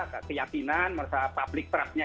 keyakinan merasa publik trust nya